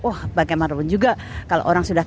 oh bagaimanapun juga kalau orang sudah